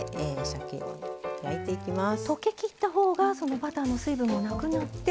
溶けきった方がバターの水分もなくなって。